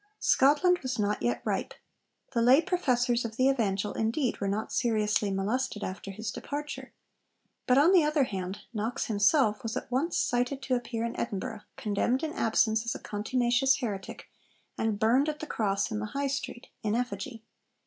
Scotland was not yet ripe. The lay professors of the Evangel indeed were not seriously molested after his departure. But on the other hand Knox himself was at once cited to appear in Edinburgh, condemned in absence as a contumacious heretic, and burned at the Cross in the High Street in effigy.